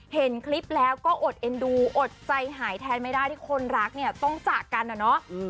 เห็นคลิปแล้วก็อดเอ็นดูอดใจหายแทนไม่ได้ที่คนรักเนี่ยต้องจากกันอะเนาะ